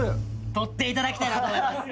取って頂きたいなと思います。